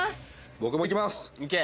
僕も行きます。